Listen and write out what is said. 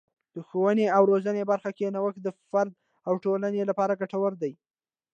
د ښوونې او روزنې برخه کې نوښت د فرد او ټولنې لپاره ګټور دی.